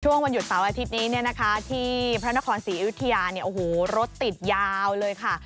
ช่วงวันหยุดเสาร์อาทิตย์นี้ที่พระนครศรีวิทยารถติดยาวเลยค่ะ